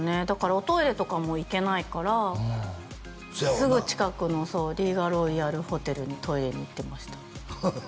だからおトイレとかも行けないからすぐ近くのリーガロイヤルホテルのトイレに行ってました